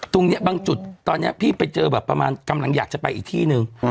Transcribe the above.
ตรงนี้บางจุดตอนนี้พี่ไปเจอแบบประมาณกำลังอยากจะไปอีกที่นึง